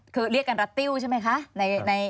คือเรียกกันรัตติ้วใช่ไหมคะ